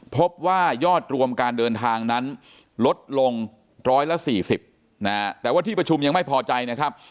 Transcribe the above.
พบว่ายอดรวมการเดินทางนั้นลดลง๑๔๐นะฮะแต่ว่าที่ประชุมยังไม่พอใจนะครับ